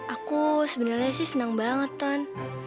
aku sebenernya sih seneng banget ton